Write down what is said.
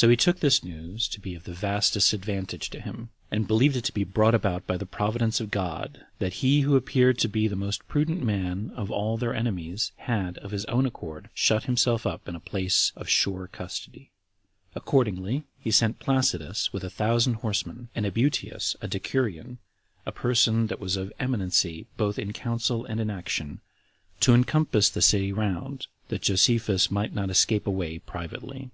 So he took this news to be of the vastest advantage to him, and believed it to be brought about by the providence of God, that he who appeared to be the most prudent man of all their enemies, had, of his own accord, shut himself up in a place of sure custody. Accordingly, he sent Placidus with a thousand horsemen, and Ebutius a decurion, a person that was of eminency both in council and in action, to encompass the city round, that Josephus might not escape away privately.